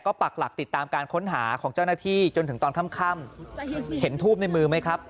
ปักหลักติดตามการค้นหาของเจ้าหน้าที่จนถึงตอนค่ำเห็นทูบในมือไหมครับ